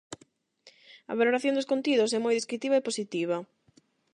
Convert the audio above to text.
A valoración dos contidos é moi descritiva e positiva.